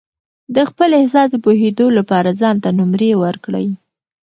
د خپل احساس د پوهېدو لپاره ځان ته نمرې ورکړئ.